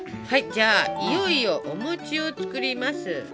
はいじゃあいよいよお餅を作ります。